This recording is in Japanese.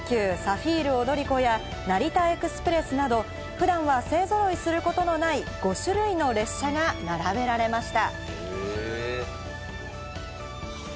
伊豆半島への観光特急・サフィール踊り子や、成田エクスプレスなど、普段は勢ぞろいすることのない５種類の列車が並べられました。